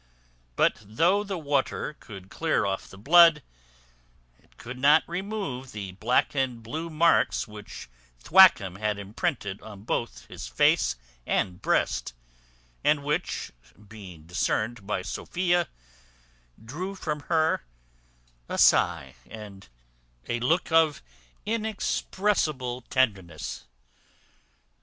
But though the water could clear off the blood, it could not remove the black and blue marks which Thwackum had imprinted on both his face and breast, and which, being discerned by Sophia, drew from her a sigh and a look full of inexpressible tenderness.